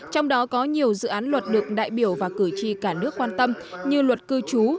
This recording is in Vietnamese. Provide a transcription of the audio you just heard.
trong đó có nhiều dự án luật được đại biểu và cử tri cả nước quan tâm như luật cư trú